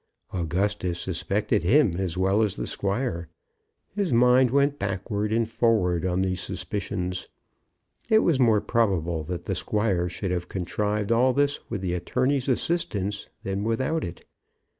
Augustus suspected him as well as the squire. His mind went backward and forward on these suspicions. It was more probable that the squire should have contrived all this with the attorney's assistance than without it.